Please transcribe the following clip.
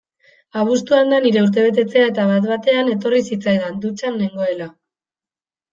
Abuztuan da nire urtebetetzea eta bat-batean etorri zitzaidan, dutxan nengoela.